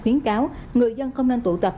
khuyến cáo người dân không nên tụ tập